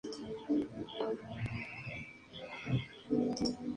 Eran cazadores de mamíferos marinos y recolectores de mariscos.